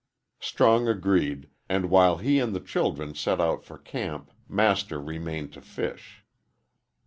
Strong agreed, and while he and the children set out for camp Master remained to fish.